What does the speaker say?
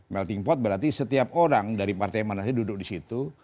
melting pot berarti setiap orang dari partai mana saja duduk di situ